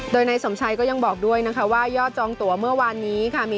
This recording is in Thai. โดยนายสมชัยก็ยังบอกด้วยนะคะว่ายอดจองตัวเมื่อวานนี้ค่ะ